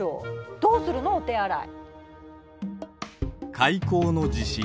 どうするのお手洗い？